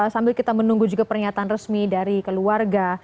sambil kita menunggu juga pernyataan resmi dari keluarga